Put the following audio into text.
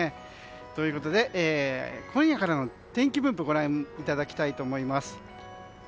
ということで今夜からの天気分布をご覧いただきたいと思います。